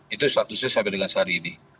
itu statusnya sampai dengan sehari ini